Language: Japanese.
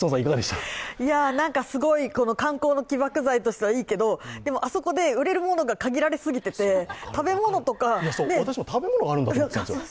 すごい観光の起爆剤としてはいいけどでもあそこで売れるものが限られすぎていて私も食べ物があるんだと思ってたんですよ。